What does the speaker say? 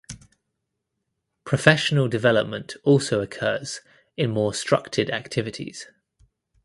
Professional development also occurs in more structed activities.